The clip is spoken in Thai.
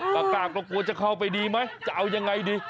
กล้าก็กลัวจะเข้าไปดีไหมจะเอายังไงดี